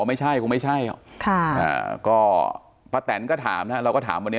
ไม่ใช่กูไม่ใช่อ่ะค่ะก็พระแตนก็ถามนะเราก็ถามวันนี้